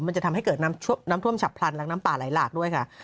จะทำให้เกิดน้ำท่วมฉับพลันและน้ำป่าไหลหลากด้วยค่ะ